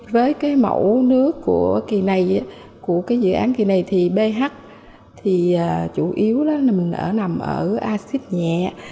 với cái mẫu nước của dự án kỳ này thì ph thì chủ yếu là mình nằm ở acid nhẹ